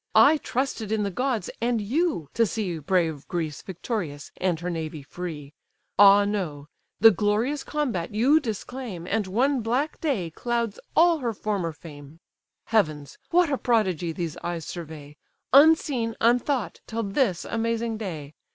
I trusted in the gods, and you, to see Brave Greece victorious, and her navy free: Ah, no—the glorious combat you disclaim, And one black day clouds all her former fame. Heavens! what a prodigy these eyes survey, Unseen, unthought, till this amazing day!